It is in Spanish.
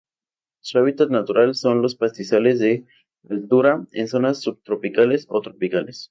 Su hábitat natural son los pastizales de altura en zonas subtropicales o tropicales.